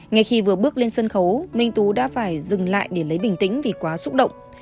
ngay khi vừa bước lên sân khấu minh tú đã phải dừng lại để lấy bình tĩnh vì quá xúc động